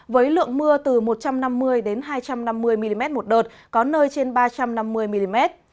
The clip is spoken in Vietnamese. với lượng mưa từ một trăm năm mươi hai trăm năm mươi mm một đợt có nơi trên ba trăm năm mươi mm